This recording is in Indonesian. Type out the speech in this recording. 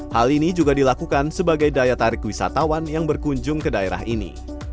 hal ini juga dilakukan sebagai daya tarik wisatawan yang berkunjung ke daerah ini